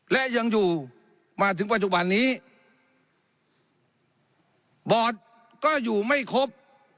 และยังอยู่มาถึงปัจจุบันนี้บอร์ดก็อยู่ไม่ครบ